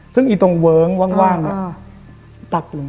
ซึ่งตรงเวิร์งว่างตับลง